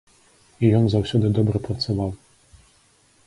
І ён заўсёды добра працаваў.